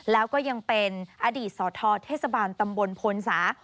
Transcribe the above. แล้วก็ยังเป็นอดีตสทเทศบาลตำบลพลศา